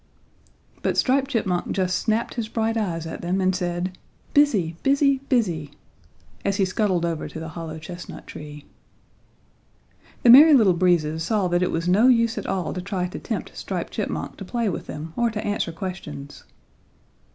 But Striped Chipmunk just snapped his bright eyes at them and said "Busy! busy! busy!" as he scuttled over to the hollow chestnut tree. The Merry Little Breezes saw that it was no use at all to try to tempt Striped Chipmunk to play with them or to answer questions.